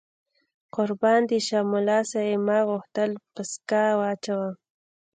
قربان دې شم، ملا صاحب ما غوښتل پسکه واچوم.